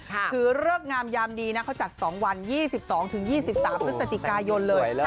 ถือเลิกงามยามดีนะเขาจัด๒วัน๒๒๒๓พฤศจิกายนเลย